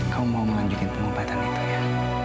kamu mau melanjutkan pengobatan itu ya